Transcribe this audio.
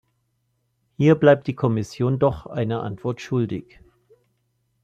Hier bleibt die Kommission doch eine Antwort schuldig.